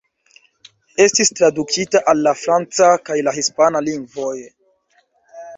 Estis tradukita al la franca kaj la hispana lingvoj.